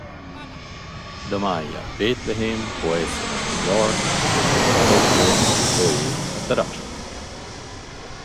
Damaja, Betlehem po esser a New York, a Tokio o eir a Tarasp.